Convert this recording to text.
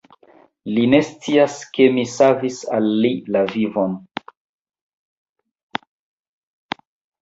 Li ne scias, ke mi savis al li la vivon!